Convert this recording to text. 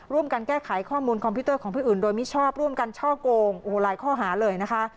ร่วมกันแก้ไขข้อมูลคอมพิวเตอร์ของผู้อื่นโดยมิชอบร่วมกันช่อโกงโอ้โหหลายข้อหาเลยนะคะ